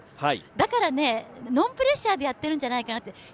だからノンプレッシャーでやってるんじゃないかなって。